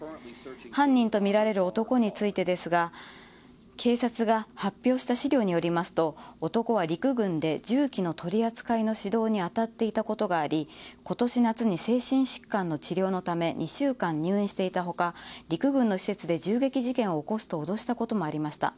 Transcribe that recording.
犯人とみられる男についてですが警察が発表した資料によりますと男は陸軍で銃器の取り扱いの指導に当たっていたことがあり今年夏に精神疾患の治療のため２週間入院していた他陸軍の施設で銃撃事件を起こすと脅したこともありました。